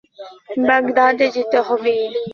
আমি আশ্বস্ত করছি যে, আমি তোমার প্রতি সৎ!